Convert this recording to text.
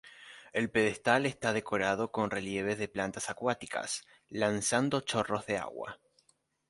El pedestal está decorado con relieves de plantas acuáticas, lanzando chorros de agua.